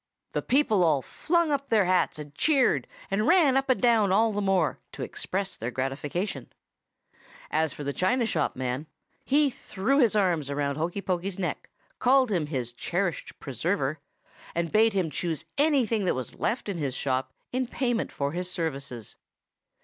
"The people all flung up their hats, and cheered, and ran up and down all the more, to express their gratification. As for the china shop man, he threw his arms round Hokey Pokey's neck, called him his cherished preserver, and bade him choose anything that was left in his shop in payment for his services.